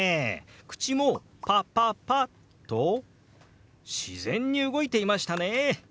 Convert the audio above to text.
口も「パパパ」と自然に動いていましたね。